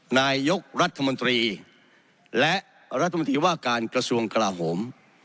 นายกรัฐมนตรีและรัฐมนตรีว่าการกระทรวงกลาโหม